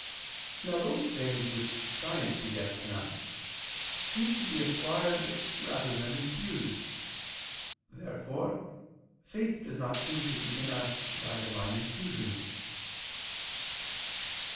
Now those things which science begets in us seem to be acquired rather than infused. Therefore faith does not seem to be in us by Divine infusion.